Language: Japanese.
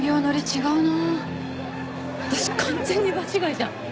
私完全に場違いじゃん。